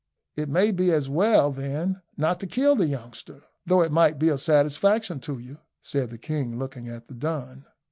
"It may be as well, then, not to kill the youngster, though it might be a satisfaction to you," said the king, looking at the Don.